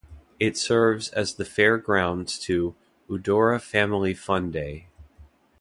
It serves as the fair grounds to "Udora Family Fun Day".